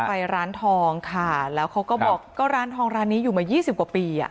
ไปร้านทองค่ะแล้วเขาก็บอกก็ร้านทองร้านนี้อยู่มายี่สิบกว่าปีอ่ะ